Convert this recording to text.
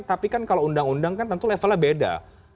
tapi kan kalau undang undang kan tentu levelnya beda